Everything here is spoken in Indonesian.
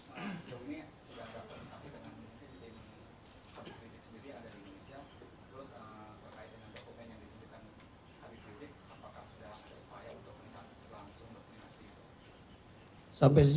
apakah sudah ada upaya untuk melakukan langsung komunikasi itu